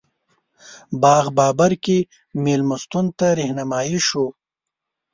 باغ بابر کې مېلمستون ته رهنمایي شوو.